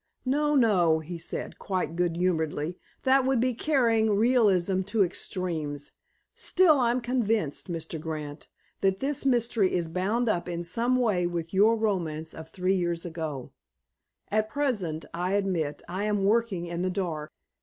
"No, no," he said, quite good humoredly. "That would be carrying realism to extremes. Still, I am convinced, Mr. Grant, that this mystery is bound up in some way with your romance of three years ago. At present, I admit, I am working in the dark."